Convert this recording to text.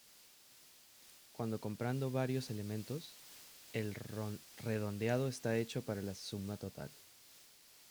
Cuándo comprando varios elementos, el redondeando está hecho para la suma total.